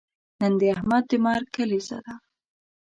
نن د احمد د مرګ کلیزه ده.